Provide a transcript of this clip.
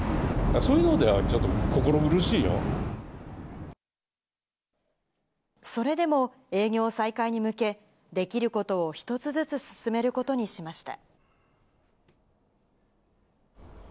そういうのではちょっと心苦しいそれでも、営業再開に向け、できることを１つずつ進めることにしました。